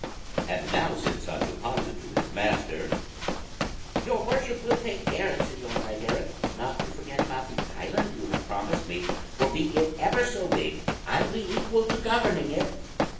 And now said Sancho Panza to his master, "Your Worship will take care, Señor Knight Errant, not to forget about the island you have promised me, for be it ever so big I'll be equal to governing it."